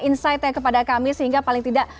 insight nya kepada kami sehingga paling tidak